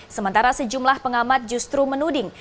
sementara sejumlah pengamat justru menuding